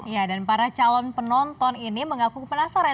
ya dan para calon penonton ini mengaku penasaran